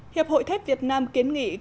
hiệp hội thép việt nam kiến nghị các cơ quan